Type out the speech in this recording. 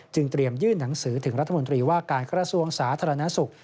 เตรียมยื่นหนังสือถึงรัฐมนตรีว่าการกระทรวงสาธารณสุข